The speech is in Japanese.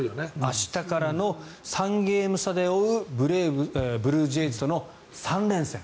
明日からの３ゲーム差で追うブルージェイズとの３連戦。